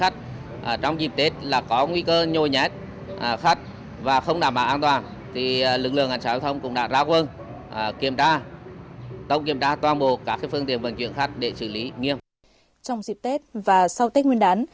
trong dịp tết và sau tết nguyên đán